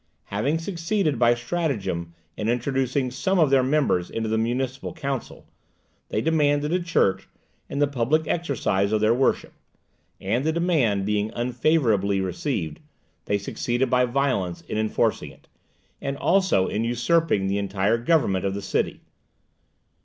Having succeeded by stratagem in introducing some of their members into the municipal council, they demanded a church and the public exercise of their worship, and the demand being unfavourably received, they succeeded by violence in enforcing it, and also in usurping the entire government of the city.